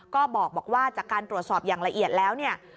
ก็บอกว่าจากการตรวจสอบอย่างละเอียดแล้วเนี่ย